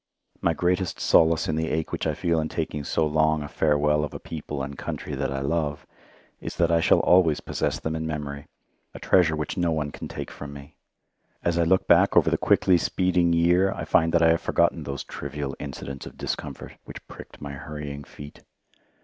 My greatest solace in the ache which I feel in taking so long a farewell of a people and country that I love is that I shall always possess them in memory a treasure which no one can take from me. As I look back over the quickly speeding year I find that I have forgotten those trivial incidents of discomfort which pricked my hurrying feet.